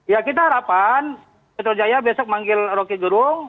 ya kita harapan metro jaya besok manggil roki gerung